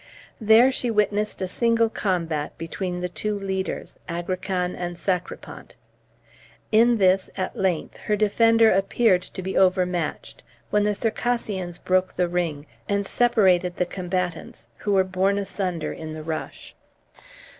There she witnessed a single combat between the two leaders, Agrican and Sacripant. In this, at length, her defender appeared to be overmatched, when the Circassians broke the ring, and separated the combatants, who were borne asunder in the rush.